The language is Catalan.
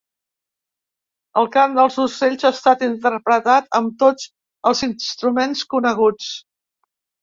El Cant dels ocells ha estat interpretat amb tots els instruments coneguts.